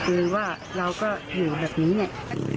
คือว่าเราก็อยู่แบบนี้เนี่ย